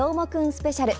スペシャル。